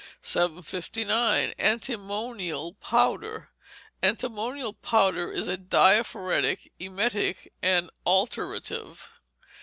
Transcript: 759. Antimonial Powder Antimonial Powder is a diaphoretic, emetic, and alterative.